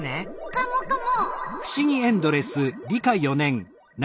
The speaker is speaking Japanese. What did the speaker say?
カモカモ！